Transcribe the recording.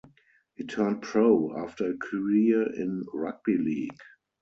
He turned pro after a career in rugby league.